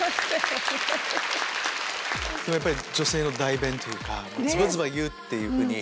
やっぱり女性の代弁というかズバズバ言うっていうふうに。